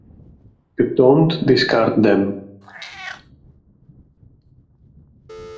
You don’t discard them.